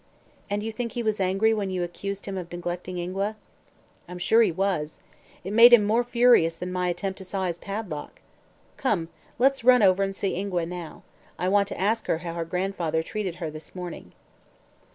"And you think he was angry when you accused him of neglecting Ingua?" "I'm sure he was. It made him more furious than my attempt to saw his padlock. Come, let's run over and see Ingua now. I want to ask how her grandfather treated her this morning."